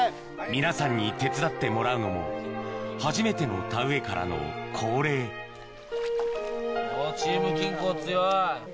皆さんに手伝ってもらうのも初めての田植えからの恒例チーム金光強い。